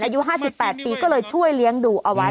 อายุห้าสิบแปดปีก็เลยช่วยเลี้ยงดูเอาไว้